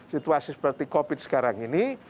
situasi seperti covid sembilan belas sekarang ini